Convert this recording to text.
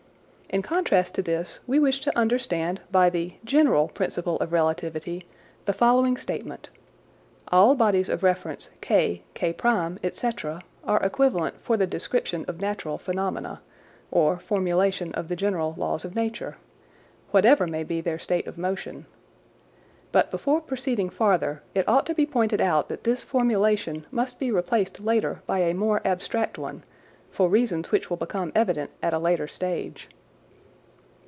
In contrast to this we wish to understand by the "general principle of relativity" the following statement : All bodies of reference K, K1, etc., are equivalent for the description of natural phenomena (formulation of the general laws of nature), whatever may be their state of motion. But before proceeding farther, it ought to be pointed out that this formulation must be replaced later by a more abstract one, for reasons which will become evident at a later stage.